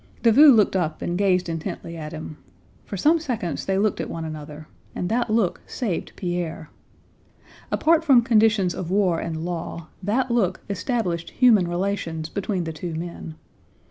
Davout looked up and gazed intently at him. For some seconds they looked at one another, and that look saved Pierre. Apart from conditions of war and law, that look established human relations between the two men.